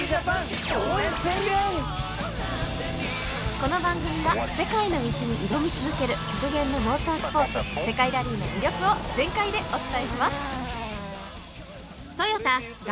この番組は世界の道に挑み続ける極限のモータースポーツ世界ラリーの魅力を全開でお伝えします。